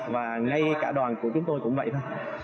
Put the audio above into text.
và ngay cả đoàn của chúng tôi cũng vậy thôi